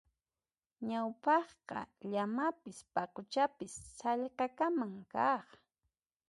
Ñawpaqqa llamapis paquchapis sallqakama kaq.